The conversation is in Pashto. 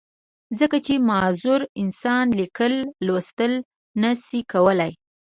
ځکه چې معذوره انسان ليکل، لوستل نۀ شي کولی